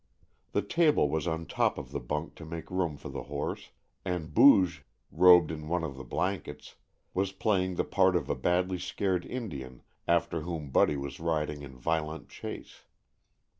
The table was on top of the bunk to make room for the horse, and Booge, robed in one of the blankets, was playing the part of a badly scared Indian after whom Buddy was riding in violent chase.